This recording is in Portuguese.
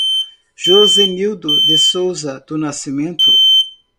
Zosenildo Souza do Nascimento